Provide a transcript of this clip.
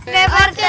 oke pak rt